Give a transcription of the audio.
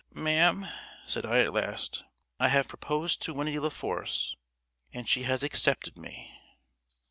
"Mam," said I at last, "I have proposed to Winnie La Force, and she has accepted me."